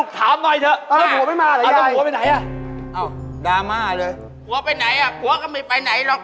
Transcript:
กลัวไปไหนอ่ะกลัวก็ไม่ไปไหนหรอก